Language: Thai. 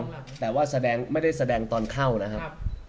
แต่ว่าแสดงไม่ได้แสดงตอนเข้านะครับ